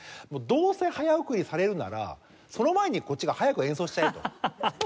どうせ早送りされるならその前にこっちが速く演奏しちゃえと。